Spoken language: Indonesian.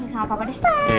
sama papa deh